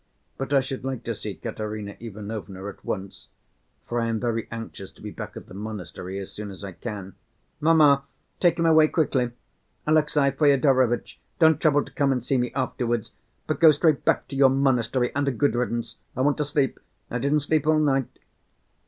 But I should like to see Katerina Ivanovna at once, for I am very anxious to be back at the monastery as soon as I can." "Mamma, take him away quickly. Alexey Fyodorovitch, don't trouble to come and see me afterwards, but go straight back to your monastery and a good riddance. I want to sleep, I didn't sleep all night."